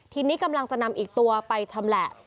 ทีนี้กำลังจะนำอีกตัวไปชำแหละ